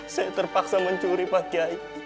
saya terpaksa mencuri pak kiai